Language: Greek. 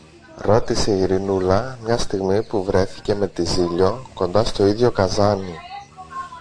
ρώτησε η Ειρηνούλα, μια στιγμή που βρέθηκε με τη Ζήλιω κοντά στο ίδιο καζάνι.